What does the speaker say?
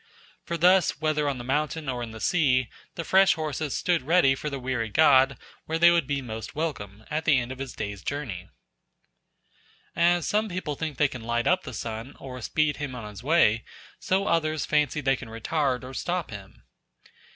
For thus, whether on the mountain or in the sea, the fresh horses stood ready for the weary god where they would be most welcome, at the end of his day's journey. As some people think they can light up the sun or speed him on his way, so others fancy they can retard or stop him.